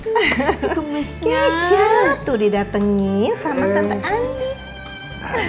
kesia tuh didatengin sama tante andi